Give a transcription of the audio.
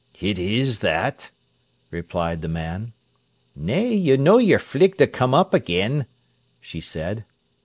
"It is that," replied the man. "Nay, you know you're flig to come up again," she said.